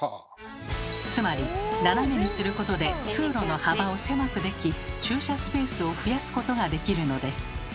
つまり斜めにすることで通路の幅を狭くでき駐車スペースを増やすことができるのです。